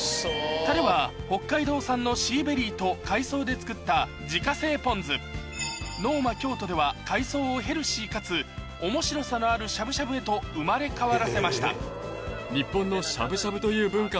タレは北海道産のシーベリーと海藻で作った自家製ポン酢ＮｏｍａＫｙｏｔｏでは海藻をヘルシーかつ面白さのあるしゃぶしゃぶへと生まれ変わらせました日本の。